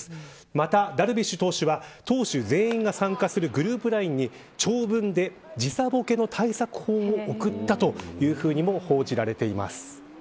また、ダルビッシュ投手は投手全員が参加するグループＬＩＮＥに長文で時差ぼけの対策を送ったというふうにも報じられています。